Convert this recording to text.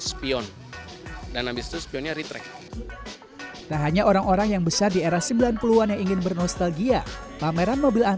spion dan abis itu sekiannya retrek nah hanya orang orang yang besar di era sembilan puluh an ingin bernostalgia